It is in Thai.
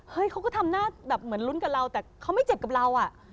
เขาก็ทำหน้าแบบเหมือนลุ้นกับเราแต่เขาไม่เจ็บกับเราอ่ะ